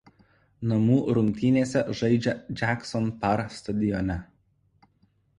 Namų rungtynes žaidžia „Jackson Par“ stadione.